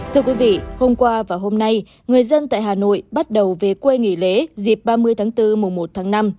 thưa quý vị hôm qua và hôm nay người dân tại hà nội bắt đầu về quê nghỉ lễ dịp ba mươi tháng bốn mùa một tháng năm